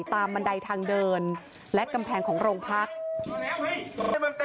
บันไดทางเดินและกำแพงของโรงพัก